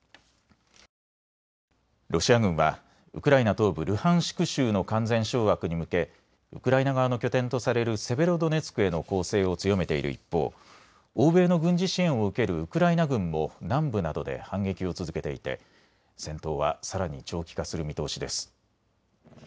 ロシア軍はウクライナ東部ルハンシク州の完全掌握に向けウクライナ側の拠点とされるセベロドネツクへの攻勢を強めている一方、欧米の軍事支援を受けるウクライナ軍も南部などで反撃を続けていて戦闘はさらに長期化する見通しです。